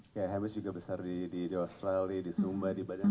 kayak hamish juga besar di australia di sumba di badai